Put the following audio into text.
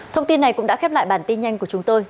thông tin này cũng đã khép lại bản tin nhanh của chúng tôi